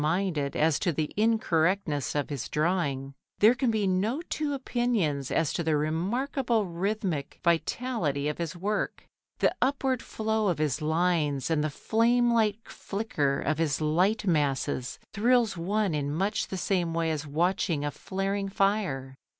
Whatever may be said by the academically minded as to the incorrectness of his drawing, there can be no two opinions as to the remarkable rhythmic vitality of his work. The upward flow of his lines and the flame like flicker of his light masses thrills one in much the same way as watching a flaring fire.